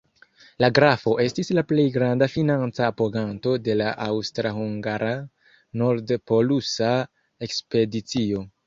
La grafo estis la plej granda financa apoganto de la aŭstra-hungara nord-polusa ekspedicio.